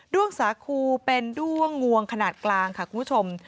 ้วงสาคูเป็นด้วงงวงขนาดกลางค่ะคุณผู้ชม